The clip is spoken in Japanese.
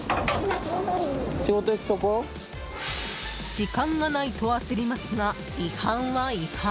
時間がないと焦りますが違反は違反。